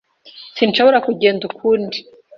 Sinshobora kugenda ukundi.